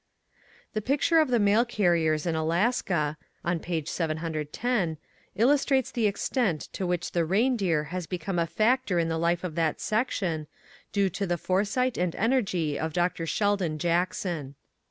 The picture of the mail carriers in Alaska (on page 710) illustrates the ex tent to which the reindeer has become a factor in the life of that section, due to the foresight and energy of Dr Sheldon Jackson.